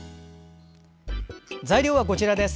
材料は、こちらです。